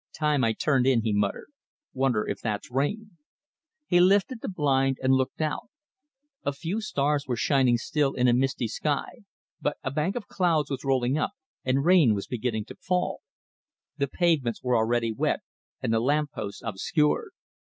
"Time I turned in," he muttered. "Wonder if that's rain." He lifted the blind and looked out. A few stars were shining still in a misty sky, but a bank of clouds was rolling up and rain was beginning to fall. The pavements were already wet, and the lamp posts obscured.